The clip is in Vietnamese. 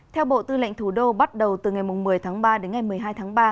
theo bộ tư lệnh thủ đô bắt đầu từ ngày một mươi tháng ba đến ngày một mươi hai tháng ba